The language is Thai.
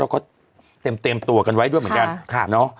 เราก็เต็มตัวกันไว้ด้วยเหมือนกัน